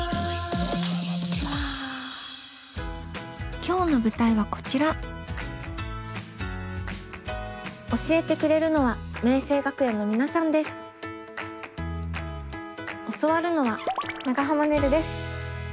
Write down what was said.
今日の舞台はこちら教えてくれるのは教わるのは長濱ねるです。